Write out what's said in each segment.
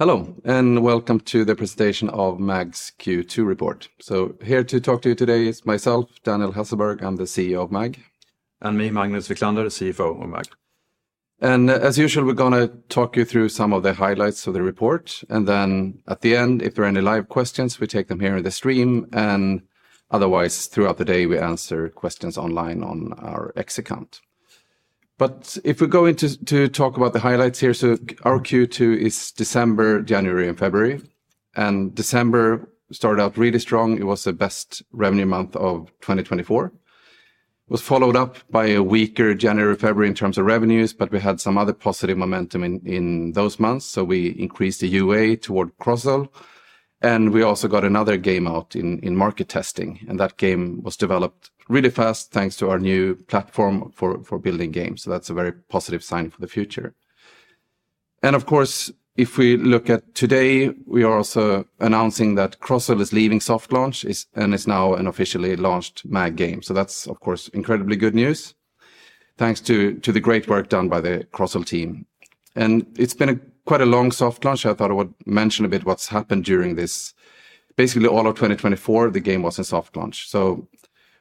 Hello, and welcome to the presentation of MAG's Q2 report. Here to talk to you today is myself, Daniel Hasselberg. I'm the CEO of MAG. And me Magnus Wiklander, CFO of MAG. As usual, we're going to talk you through some of the highlights of the report. At the end, if there are any live questions, we take them here in the stream. Otherwise, throughout the day, we answer questions online on our X account. If we go into to talk about the highlights here, our Q2 is December, January, and February. December started out really strong. It was the best revenue month of 2024. It was followed up by a weaker January, February in terms of revenues, but we had some other positive momentum in those months. We increased the UA toward Crozzle. We also got another game out in market testing. That game was developed really fast thanks to our new platform for building games. That's a very positive sign for the future. Of course, if we look at today, we are also announcing that Crozzle is leaving soft launch and is now an officially launched MAG game. That is, of course, incredibly good news thanks to the great work done by the Crozzle team. It has been quite a long soft launch. I thought I would mention a bit what's happened during this. Basically, all of 2024, the game was in soft launch.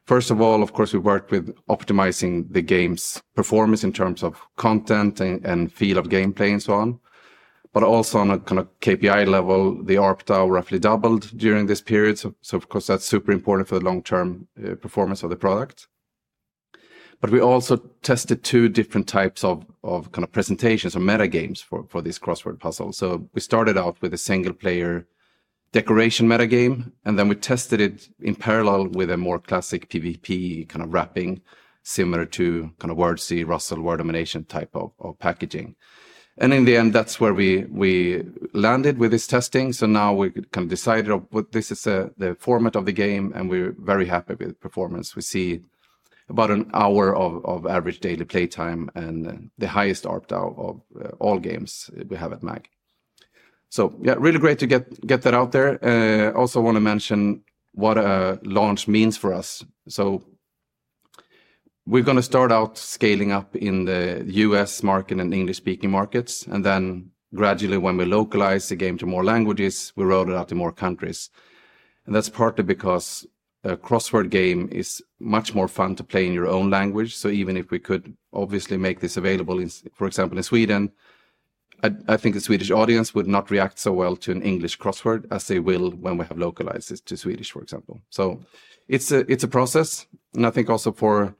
First of all, of course, we worked with optimizing the game's performance in terms of content and feel of gameplay and so on. Also, on a kind of KPI level, the ARPDA roughly doubled during this period. That is super important for the long-term performance of the product. We also tested two different types of presentations or metagames for this crossword puzzle. We started out with a single-player decoration metagame, and then we tested it in parallel with a more classic PvP kind of wrapping, similar to kind of Wordzee, Ruzzle, Word Domination type of packaging. In the end, that's where we landed with this testing. Now we kind of decided this is the format of the game, and we're very happy with the performance. We see about an hour of average daily playtime and the highest ARPDA of all games we have at MAG Interactive. Yeah, really great to get that out there. Also want to mention what a launch means for us. We're going to start out scaling up in the US market and English-speaking markets. Gradually, when we localize the game to more languages, we roll it out to more countries. That is partly because a crossword game is much more fun to play in your own language. Even if we could obviously make this available, for example, in Sweden, I think the Swedish audience would not react so well to an English crossword as they will when we have localized it to Swedish, for example. It is a process. I think also for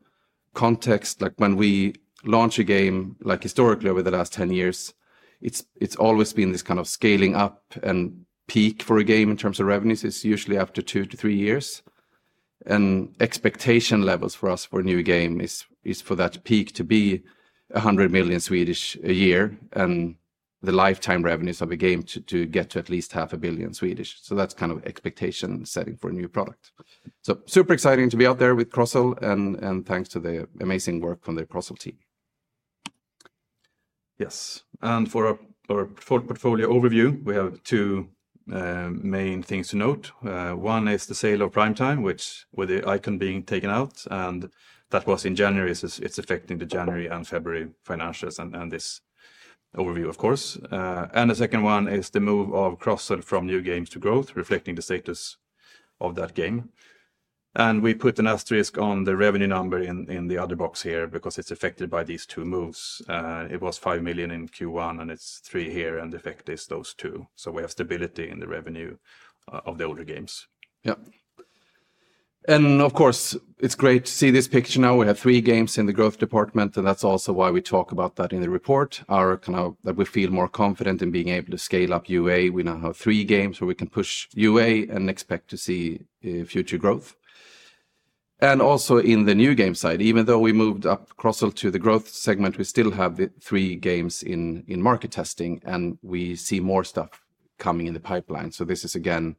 context, like when we launch a game, like historically over the last 10 years, it has always been this kind of scaling up and peak for a game in terms of revenues. It is usually after two to three years. Expectation levels for us for a new game is for that peak to be 100 million a year and the lifetime revenues of a game to get to at least 500 million. That is kind of expectation setting for a new product. Super exciting to be out there with Crozzle and thanks to the amazing work from the Crozzle team. Yes. For our portfolio overview, we have two main things to note. One is the sale of Primetime, with the icon being taken out, and that was in January. It is affecting the January and February financials and this overview, of course. The second one is the move of Crozzle from new games to growth, reflecting the status of that game. We put an asterisk on the revenue number in the other box here because it is affected by these two moves. It was 5 million in Q1, and it is 3 million here, and the effect is those two. We have stability in the revenue of the older games. Yeah. Of course, it's great to see this picture now. We have three games in the growth department, and that's also why we talk about that in the report. Our kind of that we feel more confident in being able to scale up UA. We now have three games where we can push UA and expect to see future growth. Also in the new game side, even though we moved up Crozzle to the growth segment, we still have three games in market testing, and we see more stuff coming in the pipeline. This is again,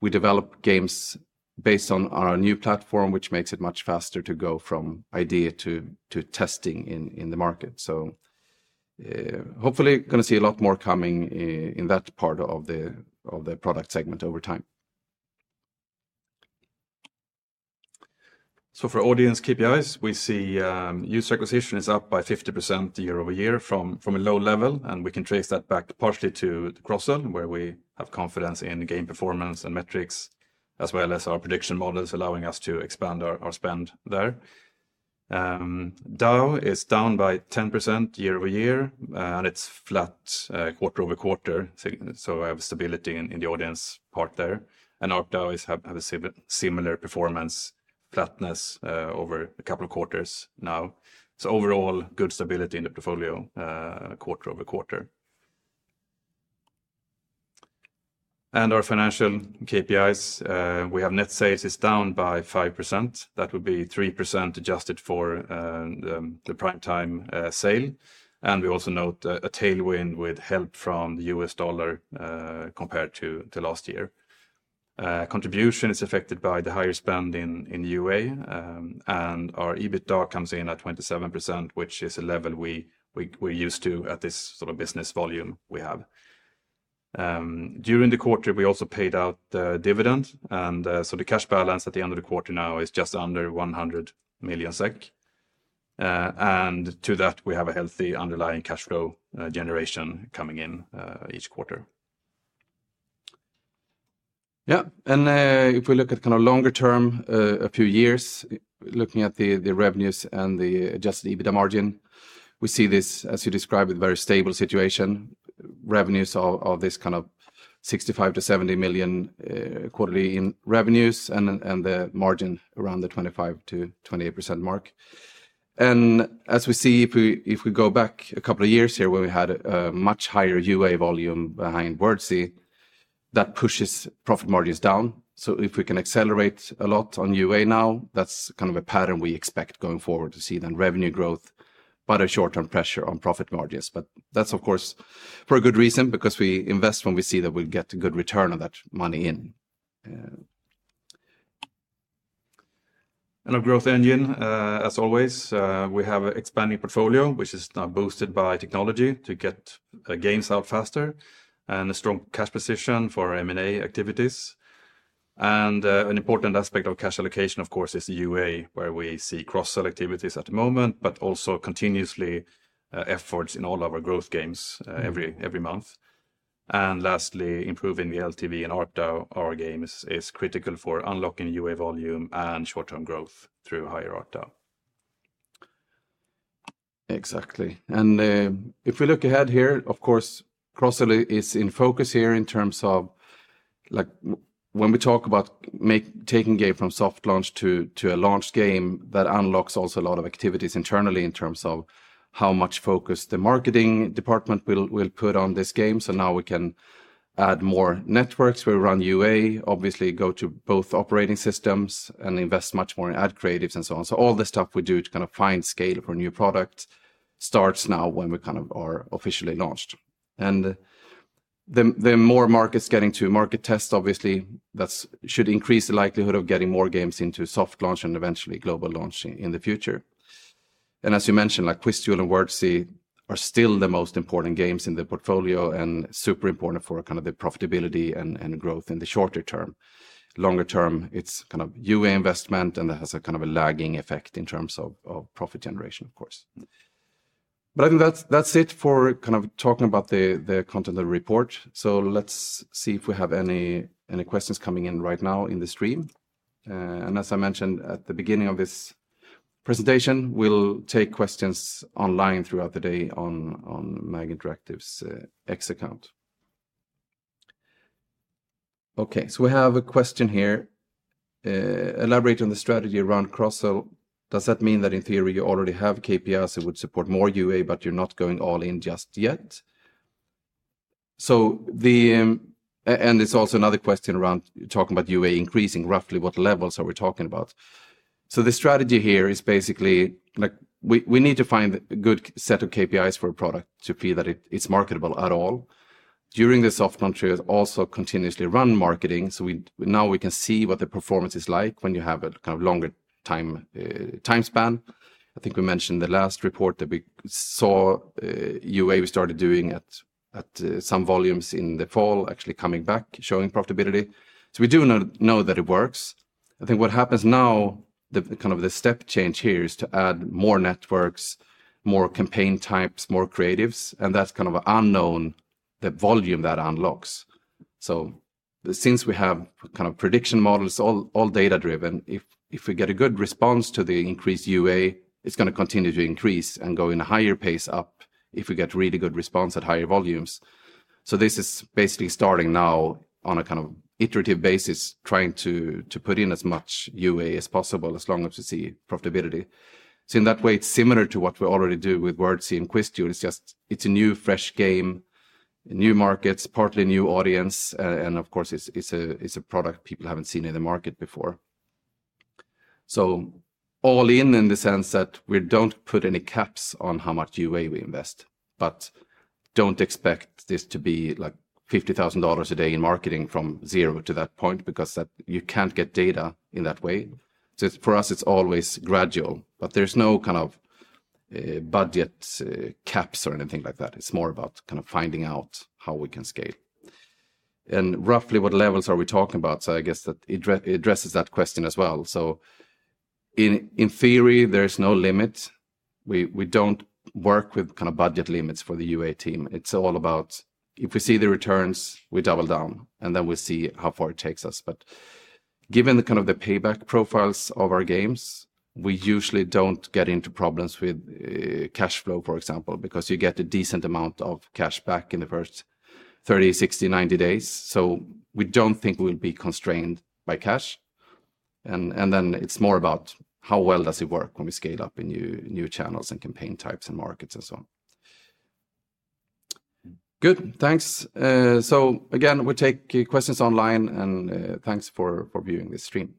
we develop games based on our new platform, which makes it much faster to go from idea to testing in the market. Hopefully going to see a lot more coming in that part of the product segment over time. For audience KPIs, we see user acquisition is up by 50% year-over-year from a low level, and we can trace that back partially to Crozzle, where we have confidence in game performance and metrics, as well as our prediction models allowing us to expand our spend there. DAU is down by 10% year-over-year, and it is flat quarter-over-quarter. We have stability in the audience part there. ARPDA has had a similar performance flatness over a couple of quarters now. Overall, good stability in the portfolio quarter-over-quarter. In our financial KPIs, we have net sales down by 5%. That would be 3% adjusted for the Primetime sale. We also note a tailwind with help from the U.S. dollar compared to last year. Contribution is affected by the higher spend in UA, and our EBITDA comes in at 27%, which is a level we're used to at this sort of business volume we have. During the quarter, we also paid out the dividend, so the cash balance at the end of the quarter now is just under 100 million SEK. To that, we have a healthy underlying cash flow generation coming in each quarter. Yeah. If we look at kind of longer term, a few years, looking at the revenues and the adjusted EBITDA margin, we see this, as you described, a very stable situation. Revenues of this kind of 65 million-70 million quarterly in revenues and the margin around the 25%-28% mark. As we see, if we go back a couple of years here where we had a much higher UA volume behind Wordzee, that pushes profit margins down. If we can accelerate a lot on UA now, that's kind of a pattern we expect going forward to see that revenue growth, but a short-term pressure on profit margins. That's, of course, for a good reason, because we invest when we see that we get a good return on that money in. Our growth engine, as always, we have an expanding portfolio, which is now boosted by technology to get games out faster and a strong cash position for M&A activities. An important aspect of cash allocation, of course, is UA, where we see cross-sell activities at the moment, but also continuously efforts in all of our growth games every month. Lastly, improving the LTV and ARPDA of our games is critical for unlocking UA volume and short-term growth through higher ARPDA. Exactly. If we look ahead here, of course, Crozzle is in focus here in terms of when we talk about taking a game from soft launch to a launched game, that unlocks also a lot of activities internally in terms of how much focus the marketing department will put on this game. Now we can add more networks. We run UA, obviously go to both operating systems and invest much more in ad creatives and so on. All this stuff we do to kind of find scale for a new product starts now when we kind of are officially launched. The more markets getting to market test, obviously, that should increase the likelihood of getting more games into soft launch and eventually global launch in the future. As you mentioned, like QuizDuel and Wordzee are still the most important games in the portfolio and super important for kind of the profitability and growth in the shorter term. Longer term, it's kind of UA investment, and that has a kind of a lagging effect in terms of profit generation, of course. I think that's it for kind of talking about the content of the report. Let's see if we have any questions coming in right now in the stream. As I mentioned at the beginning of this presentation, we'll take questions online throughout the day on MAG Interactive's X account. Okay, we have a question here. Elaborate on the strategy around Crozzle. Does that mean that in theory you already have KPIs that would support more UA, but you're not going all in just yet? It is also another question around talking about UA increasing. Roughly what levels are we talking about? The strategy here is basically we need to find a good set of KPIs for a product to feel that it is marketable at all. During the soft launch period, also continuously run marketing. Now we can see what the performance is like when you have a kind of longer time span. I think we mentioned the last report that we saw UA we started doing at some volumes in the fall actually coming back showing profitability. We do know that it works. I think what happens now, kind of the step change here is to add more networks, more campaign types, more creatives, and that is kind of unknown the volume that unlocks. Since we have kind of prediction models, all data-driven, if we get a good response to the increased UA, it's going to continue to increase and go in a higher pace up if we get really good response at higher volumes. This is basically starting now on a kind of iterative basis, trying to put in as much UA as possible as long as we see profitability. In that way, it's similar to what we already do with Wordzee and QuizDuel. It's just it's a new fresh game, new markets, partly new audience, and of course, it's a product people haven't seen in the market before. All in in the sense that we do not put any caps on how much UA we invest, but do not expect this to be like $50,000 a day in marketing from zero to that point because you cannot get data in that way. For us, it is always gradual, but there are no kind of budget caps or anything like that. It is more about kind of finding out how we can scale. Roughly what levels are we talking about? I guess that addresses that question as well. In theory, there is no limit. We do not work with kind of budget limits for the UA team. It is all about if we see the returns, we double down, and then we see how far it takes us. Given the kind of the payback profiles of our games, we usually do not get into problems with cash flow, for example, because you get a decent amount of cash back in the first 30, 60, 90 days. We do not think we will be constrained by cash. It is more about how well it works when we scale up in new channels and campaign types and markets and so on. Good. Thanks. We take questions online, and thanks for viewing this stream.